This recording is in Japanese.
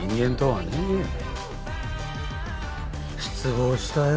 失望したよ。